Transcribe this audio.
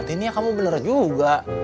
din ya kamu bener juga